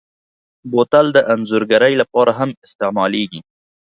بوتل د انځورګرۍ لپاره هم استعمالېږي.